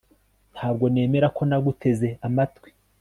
Ntabwo nemera ko naguteze amatwi